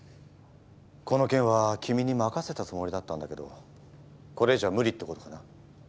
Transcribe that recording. この件は君に任せたつもりだったんだけどこれ以上は無理ってことかな？